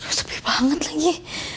lagi sepi banget lagi